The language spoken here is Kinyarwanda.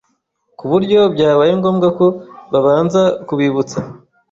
kuburyo byabaye ngombwa ko babanza kubibutsa